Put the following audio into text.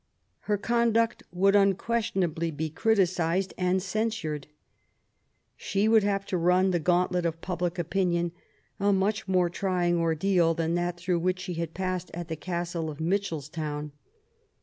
Her conduct would unquestionably be criticised and cen sured. She would have to run the gauntlet of public opinion, a much more trying ordeal than that through which she had passed at the castle in Mitchelstown.